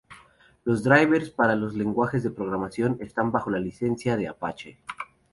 Los drivers para los lenguajes de programación están bajo la licencia de Apache.